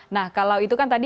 nah kalau itu kan tadi